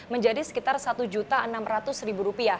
menjadi sekitar rp satu enam ratus